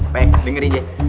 baik dengerin aja